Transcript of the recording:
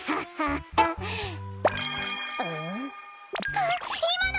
あっいまの！